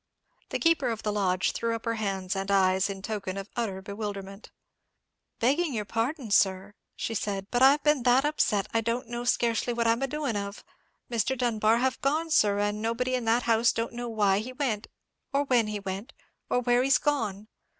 The keeper of the lodge threw up her hands and eyes in token of utter bewilderment. "Begging your pardon, sir," she said, "but I've been that upset, I don't know scarcely what I'm a doing of. Mr. Dunbar have gone, sir, and nobody in that house don't know why he went, or when he went, or where he's gone.